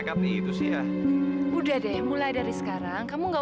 sampai jumpa di video selanjutnya